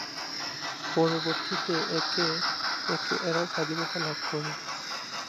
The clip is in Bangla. পরবর্তীতে একে একে এরাও স্বাধীনতা লাভ করে।